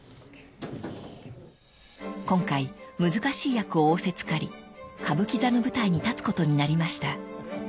［今回難しい役を仰せ付かり歌舞伎座の舞台に立つことになりました］